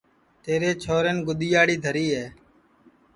تیرے چھورین گیڈؔیاڑی دھری ہے